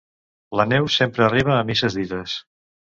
La Neus sempre arriba a misses dites.